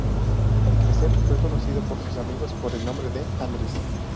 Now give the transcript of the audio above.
Al crecer, fue conocido por sus amigos por el nombre de "Andris".